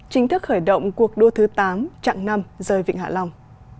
chính thức khởi động cuộc đua thứ tám trạng năm rời vịnh hạ long